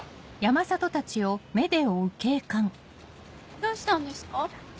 どうしたんですか？